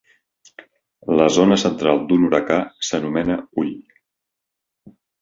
La zona central d'un huracà s'anomena ull